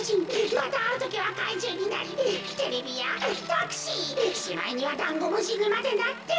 またあるときはかいじゅうになりテレビやタクシーしまいにはだんごむしにまでなって。